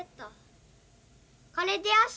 これでよし。